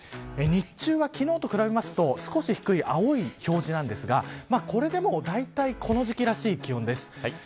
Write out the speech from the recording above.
日中は昨日と比べますと少し低い青い表示なんですがこれでも、だいたいこの時期らしい気温です。